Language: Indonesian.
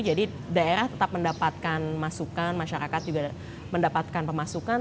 jadi daerah tetap mendapatkan masukan masyarakat juga mendapatkan pemasukan